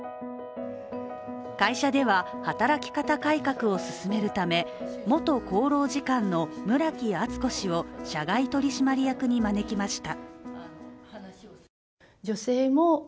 会社では、働き方改革を進めるため元厚労次官の村木厚子氏を社外取締役に招きました。